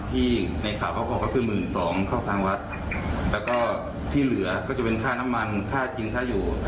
เสียก็คือเคาร์ต้องการที่จะเอาไปได้นานที่สุด